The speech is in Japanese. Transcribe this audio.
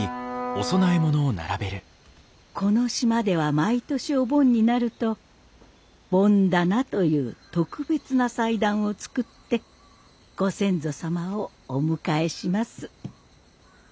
この島では毎年お盆になると盆棚という特別な祭壇を作ってご先祖様をお迎えします。